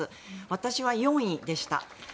私は４位でした。